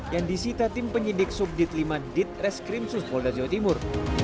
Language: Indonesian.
yang disita tim penyidik subdit lima ditreskrim suspolda jawa timur